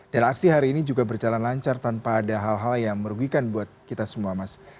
dan aksi hari ini juga berjalan lancar tanpa ada hal hal yang merugikan buat kita semua mas